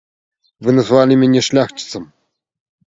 Вы назвалі мяне шляхціцам.